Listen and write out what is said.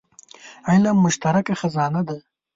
علم مشترکه خزانه ده.